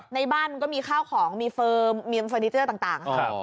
ในบ้านมันก็มีข้าวของมีเฟิร์มมีมเฟอร์นิเจอร์ต่างค่ะ